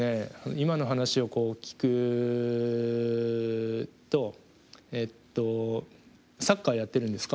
今の話を聞くとえっとサッカーやってるんですか？